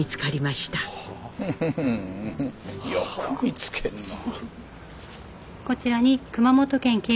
よく見つけんな。